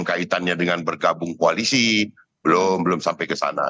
kaitannya dengan bergabung koalisi belum belum sampai ke sana